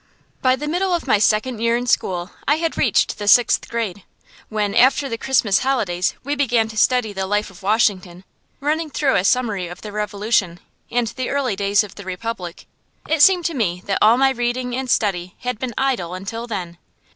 By the middle of my second year in school I had reached the sixth grade. When, after the Christmas holidays, we began to study the life of Washington, running through a summary of the Revolution, and the early days of the Republic, it seemed to me that all my reading and study had been idle until then.